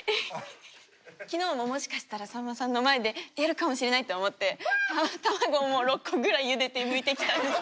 昨日ももしかしたらさんまさんの前でやるかもしれないって思って卵６個ぐらいゆでてむいてきたんです。